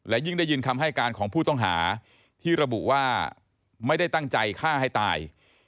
ยิ่งได้ยินคำให้การของผู้ต้องหาที่ระบุว่าไม่ได้ตั้งใจฆ่าให้ตาย